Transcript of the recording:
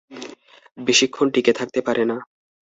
বেশীক্ষণ টিকে থাকতে পারে না।